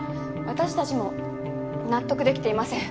私たちも納得できていません。